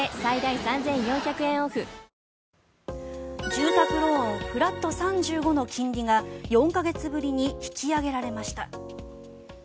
住宅ローンフラット３５の金利が４か月ぶりに引き上げられました。